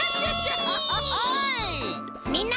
みんな。